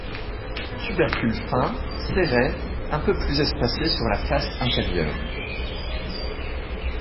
Tubercules fins, serrés, un peu plus espacés sur la face inférieure.